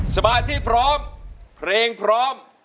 สมาธิพร้อมเพลงพร้อม